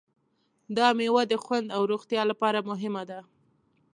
دا مېوه د خوند او روغتیا لپاره مهمه ده.